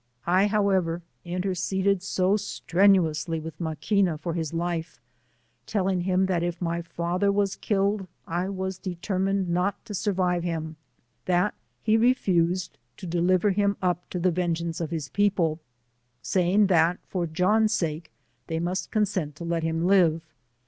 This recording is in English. I however interceded so strenuously with Maquina, for his life, telling him that if my father was killed, I was determined not to survive him, that he refused to deliver him up to the vengeance of his people, saying, that for John's sake they must consent to let him live.